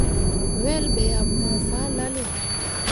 Wel ɓe ah pũu fahlalle.